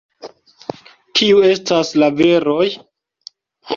Kiu estas la viroj?